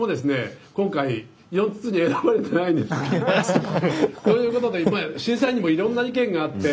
今回４つに選ばれてないんですよね。ということで審査員にもいろんな意見があって。